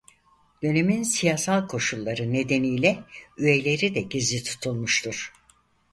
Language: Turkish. Dönemin siyasal koşulları nedeniyle üyeleri de gizli tutulmuştur.